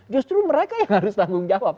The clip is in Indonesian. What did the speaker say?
justru mereka yang harus tanggung jawab